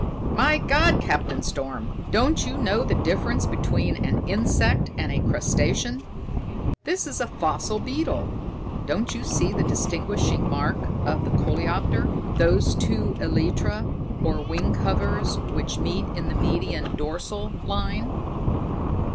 "My God, Captain Storm, don't you know the difference between an insect and a crustacean? This is a fossil beetle. Don't you see the distinguishing mark of the coleoptera, those two elytra, or wing covers, which meet in the median dorsal line?